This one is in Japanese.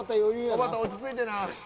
おばた、落ち着いてな。